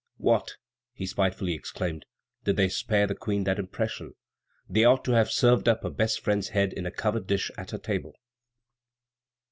"What!" he spitefully exclaimed, "did they spare the Queen that impression? They ought to have served up her best friend's head in a covered dish at her table."